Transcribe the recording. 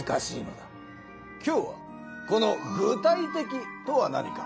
今日はこの「具体的」とは何か。